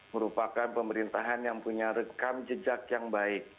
merupakan pemerintahan yang punya rekam jejak yang baik